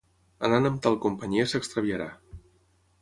Anant amb tal companyia s'extraviarà.